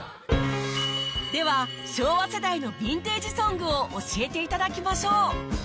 では昭和世代のヴィンテージ・ソングを教えて頂きましょう